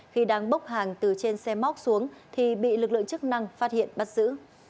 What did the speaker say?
khi đang bốc hàng từ trên xe móc xuống thì bị lực lượng chức năng phát hiện bắt giữ